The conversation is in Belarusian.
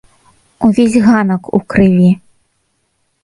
Увесь ганак у крыві.